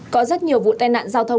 có rất nhiều vụ tai nạn giao thông